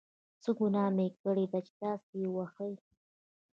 څه ګناه مې کړې ده چې تاسې یې وهئ.